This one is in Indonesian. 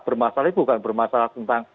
bermasalah bukan bermasalah tentang